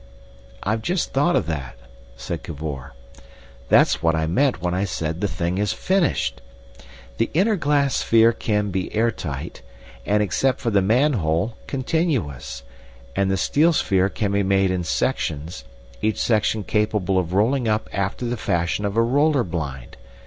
"I've just thought of that," said Cavor. "That's what I meant when I said the thing is finished. The inner glass sphere can be air tight, and, except for the manhole, continuous, and the steel sphere can be made in sections, each section capable of rolling up after the fashion of a roller blind.